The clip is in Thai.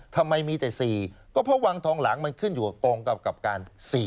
ทำไมมีแต่๔ก็เพราะวังทองหลังมันขึ้นอยู่กับกองกำกับการ๔